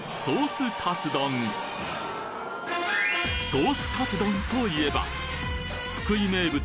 ソースカツ丼といえば福井名物